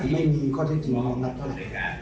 ไม่มีข้อเท็จจริงมาวางัดเท่านั้น